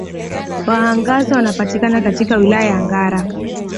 Wahangaza wanapatikana katika Wilaya ya Ngara